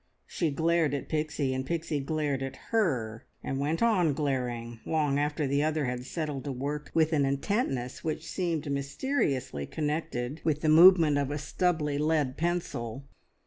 She glared at Pixie, and Pixie glared at her, and went on glaring long after the other had settled to work, with an intentness which seemed mysteriously connected with the movement of a stubbly lead pencil.